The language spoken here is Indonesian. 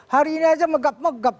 hari ini aja megap megap